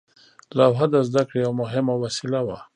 لوحه د زده کړې یوه مهمه وسیله وه.